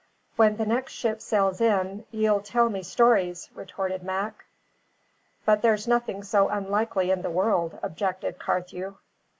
"When the next ship sails in, ye'll tell me stories!" retorted Mac. "But there's nothing so unlikely in the world," objected Carthew.